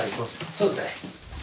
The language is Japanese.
そうですね。